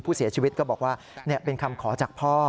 ผู้เสียชีวิตก็บอกว่าเป็นคำขอจากพ่อ